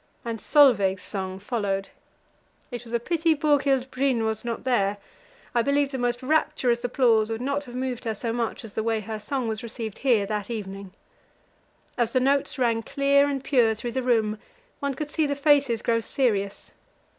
And Solveig's Song followed. It was a pity Borghild Bryhn was not there; I believe the most rapturous applause would not have moved her so much as the way her song was received here that evening. As the notes rang clear and pure through the room, one could see the faces grow serious.